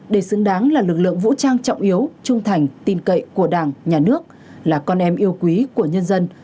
để xứng đáng là lực lượng vũ trang trọng yếu trung thành tin cậy của đảng nhà nước là con em yêu quý của nhân dân